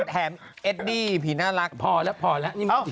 แถมเอดดี้ผีน่ารักพอแล้ว